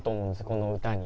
この歌に。